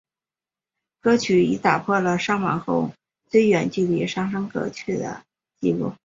歌曲亦打破了上榜后最远距离上升歌曲的记录。